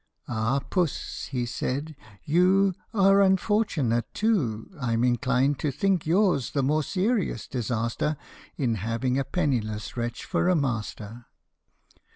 " Ah, Puss," he said, " you Are unfortunate too ; I "m inclined to think yours the more serious disaster In having a penniless wretch for a master."